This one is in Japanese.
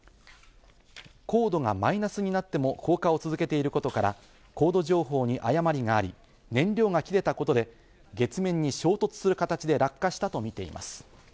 高度がマイナスになっても降下を続けていることから、高度情報に誤りがあり、燃料が切れたことで月面に衝突する形で落下したとみています。